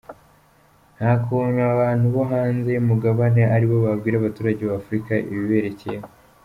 Nta kuntu abantu bo hanze y’umugabane ari bo babwira abaturage ba Afurika ibiberekeyeho.